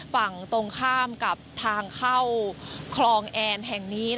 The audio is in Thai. ฝั่งตรงข้ามกับทางเข้าคลองแอนแห่งนี้